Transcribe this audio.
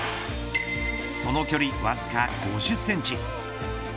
その距離わずか５０センチ。